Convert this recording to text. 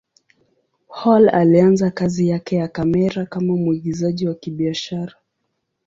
Hall alianza kazi yake ya kamera kama mwigizaji wa kibiashara.